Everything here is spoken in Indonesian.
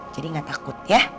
jadi gak takut ya